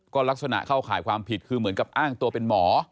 ก็ลักษณะเข้าข่ายความผิดคือเหมือนกับอ้างตัวเป็นหมอ